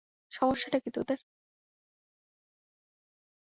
সমস্যাটা কী তোদের?